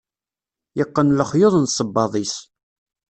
yeqqen lexyuḍ n sebbaḍ-is